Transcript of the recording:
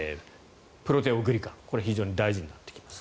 プロテオグリカン、これが非常に大事になってきます。